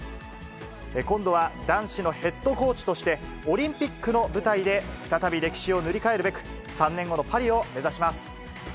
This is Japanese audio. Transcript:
今度は男子のヘッドコーチとして、オリンピックの舞台で再び歴史を塗り替えるべく、３年後のパリを目指します。